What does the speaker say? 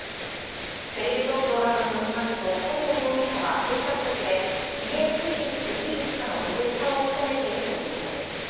テレビ東京などによりますと古東容疑者は制作局で「家、ついて行ってイイですか？」のディレクターを務めているということです。